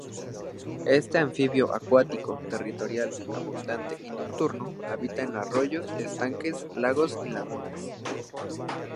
Este anfibio acuático, territorial, abundante y nocturno, habita en arroyos, estanques, lagos y lagunas.